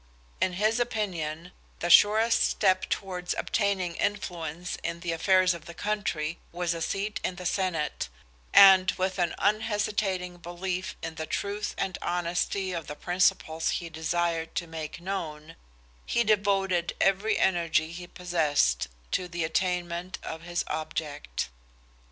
In his opinion the surest step towards obtaining influence in the affairs of the country was a seat in the senate, and with an unhesitating belief in the truth and honesty of the principles he desired to make known, he devoted every energy he possessed to the attainment of his object.